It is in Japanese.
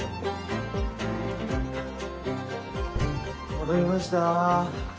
戻りました。